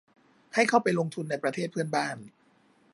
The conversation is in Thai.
ให้เข้าไปลงทุนในประเทศเพื่อนบ้าน